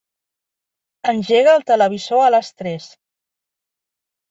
Engega el televisor a les tres.